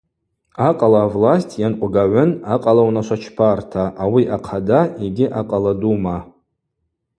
Акъала авласть йанкъвгагӏвын акъала унашвачпарта, ауи ахъада йгьи Акъала дума.